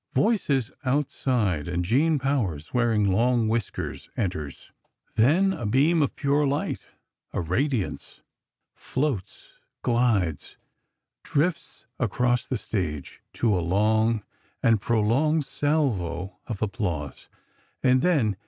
Voices outside, and Gene Powers, wearing long whiskers, enters.... Then—a beam of pure light, a radiance—floats, glides, drifts across the stage, to a long, and prolonged, salvo of applause ... and then